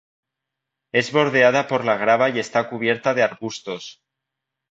Es bordeada por la grava y está cubierta de arbustos.